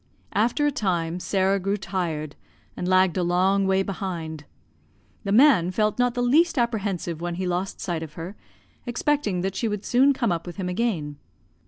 After a time Sarah grew tired, and lagged a long way behind. The man felt not the least apprehensive when he lost sight of her, expecting that she would soon come up with him again.